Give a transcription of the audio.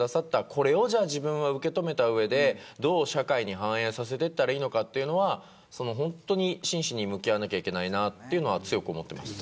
これを自分は受け止めた上でどう社会に反映させていけばいいのかは本当に真摯に向き合わなければいけないというのは強く思っています。